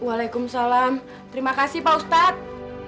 waalaikumsalam terima kasih pak ustadz